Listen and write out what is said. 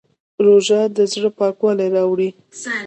روژه د زړه پاکوالی راوړي.